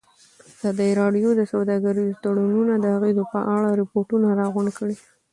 ازادي راډیو د سوداګریز تړونونه د اغېزو په اړه ریپوټونه راغونډ کړي.